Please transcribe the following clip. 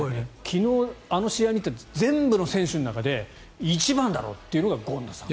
昨日あの試合の全部の選手の中で一番だろうというのが権田さん。